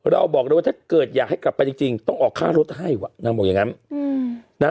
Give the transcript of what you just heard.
เราบอกเลยว่าถ้าเกิดอยากให้กลับไปจริงต้องออกค่ารถให้ว่ะนางบอกอย่างนั้น